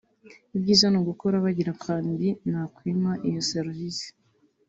Ibyiza ni ugukora bagira Plan B nakwima iyo serivise